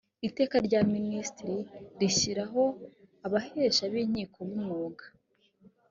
iteka rya minisitiri rishyiraho abahesha b’ inkiko b umwuga